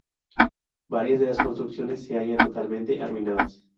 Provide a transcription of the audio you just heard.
Varias de las construcciones se hallan totalmente arruinadas.